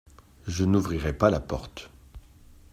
Je n’ouvrirai pas la porte.